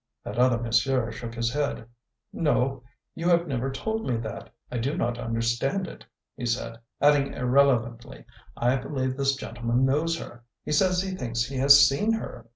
"That other monsieur" shook his head. "No, you have never told me that. I do not understand it," he said, adding irrelevantly, "I believe this gentleman knows her. He says he thinks he has seen her."